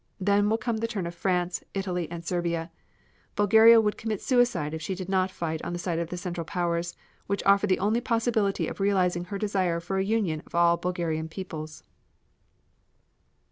Then will come the turn of France, Italy and Serbia. Bulgaria would commit suicide if she did not fight on the side of the Central Powers, which offer the only possibility of realizing her desire for a union of all Bulgarian peoples.